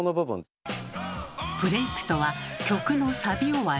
「ブレイク」とは曲のサビ終わり。